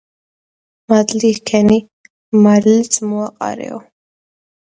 მადლი ჰქენი მარილიც მოაყარეო